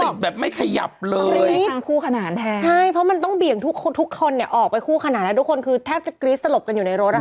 แบบไม่ขยับเลยรีบทำคู่ขนานแทนใช่เพราะมันต้องเบี่ยงทุกคนเนี่ยออกไปคู่ขนาดแล้วทุกคนคือแทบจะกรี๊ดสลบกันอยู่ในรถนะคะ